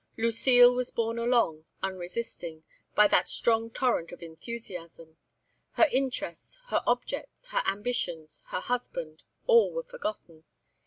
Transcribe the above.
Lucile was borne along, unresisting, by that strong torrent of enthusiasm; her interests, her objects, her ambitions, her husband, all were forgotten.